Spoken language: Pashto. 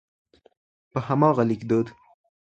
په هماغه ليکدود.